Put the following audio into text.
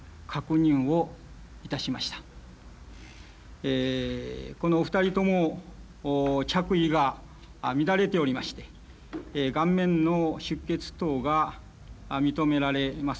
えこのお二人とも着衣が乱れておりまして顔面の出血等が認められます